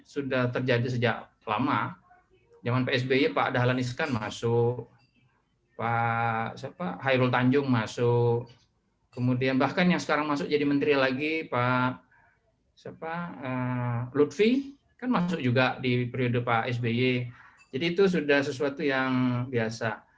lutfi juga di periode pak sby jadi itu sudah sesuatu yang biasa